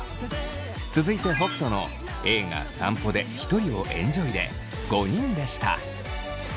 続いて北斗の「映画散歩でひとりをエンジョイ」で５人でした。